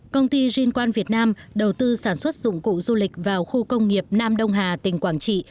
công ty jean việt nam đầu tư sản xuất dụng cụ du lịch vào khu công nghiệp nam đông hà tỉnh quảng trị